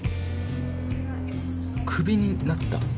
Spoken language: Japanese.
クビになった？